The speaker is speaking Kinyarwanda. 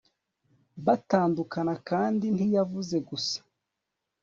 batandukana. kandi ntiyavuze gusa